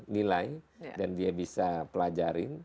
nilai dan dia bisa pelajarin